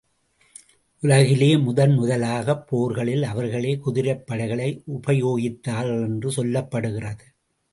உலகிலேயே முதன் முதலாகப் போர்களில் அவர்களே குதிரைப் படைகளை உபயோகித்தார்கள் என்று சொல்லப்படுகிறது.